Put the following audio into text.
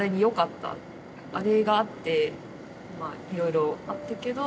あれがあっていろいろあったけど。